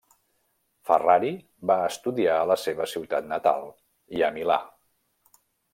Ferrari va estudiar a la seva ciutat natal i a Milà.